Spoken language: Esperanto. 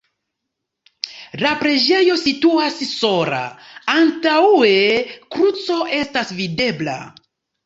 La preĝejo situas sola, antaŭe kruco estas videbla.